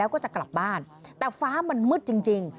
แล้วก็จะกลับบ้านแต่ฟ้ามันมืดจริง